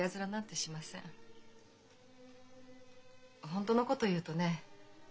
本当のこと言うとね